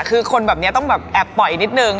คือคนแบบนี้ต้องแบบแอบปล่อยนิดนึง